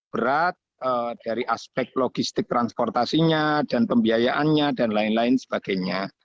berat dari aspek logistik transportasinya dan pembiayaannya dan lain lain sebagainya